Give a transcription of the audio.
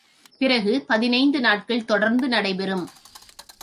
பிறகு பதினைந்து நாட்கள் தொடர்ந்து நடைபெறும்.